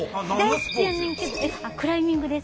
あっクライミングです。